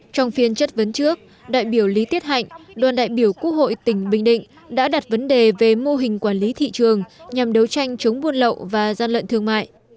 trong phiên chất vấn trước đại biểu lý tiết hạnh đoàn đại biểu quốc hội tỉnh bình định đã đặt vấn đề về mô hình quản lý thị trường nhằm đấu tranh chống buôn lậu và gian lận thương mại